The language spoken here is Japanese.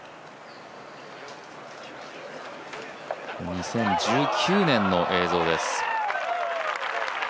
２０１９年の映像です。